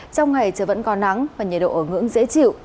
trong ngày trời vẫn có nắng và nhiệt độ ở ngưỡng dễ chịu